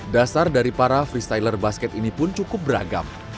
dasar dari para freestyler basket ini pun cukup beragam